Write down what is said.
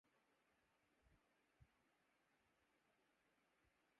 انسانی سماج اور اس کے اختتام کے بارے میں ایک مقدمہ مذہبی ہے۔